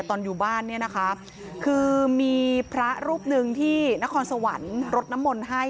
ตอนอยู่บ้านเนี่ยนะคะคือมีพระรูปหนึ่งที่นครสวรรค์รดน้ำมนต์ให้